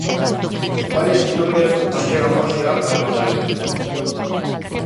Varias historias nos chegan hoxe a Salvacadelos.